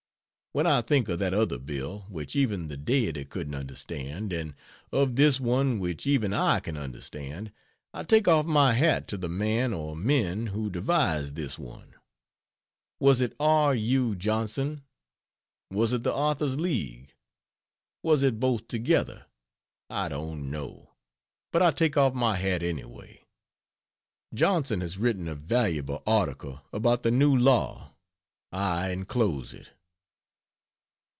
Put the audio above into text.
When I think of that other bill, which even the Deity couldn't understand, and of this one which even I can understand, I take off my hat to the man or men who devised this one. Was it R. U. Johnson? Was it the Author's League? Was it both together? I don't know, but I take off my hat, anyway. Johnson has written a valuable article about the new law I enclose it.